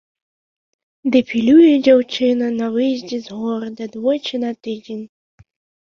Дэфілюе дзяўчына на выездзе з горада двойчы на тыдзень.